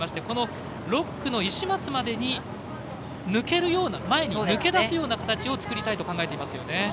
この６区の石松までに抜けるような前に抜け出すような形を作りたいと考えていますよね。